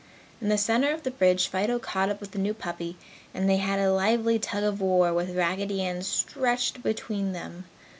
In the center of the bridge, Fido caught up with the new puppy dog and they had a lively tug of war with Raggedy Ann stretched between then.